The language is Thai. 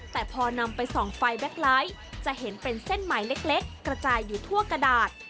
แต่พอนำไปส่องไฟแบ็คไลท์จะเห็นเป็นเส้นใหม่เล็กกระจายอยู่ทั่วกระดาษ